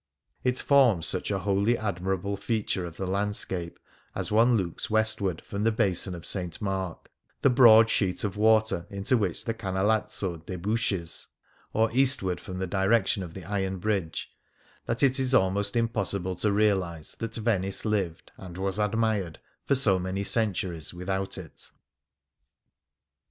It forms such a wholly admirable feature of the landscape as one looks westward from the Basin of St. Mark — the broad sheet of water into which the Canalazzo debouches, or eastward from the direction of the iron bridge — that it is almost impossible to realize that Venice lived — and was admired — for so many centuries without it.